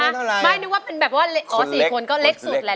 เจ้าตัวผมเยอะ